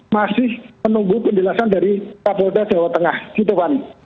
masih menunggu penjelasan dari kabupaten jawa tengah gitu pani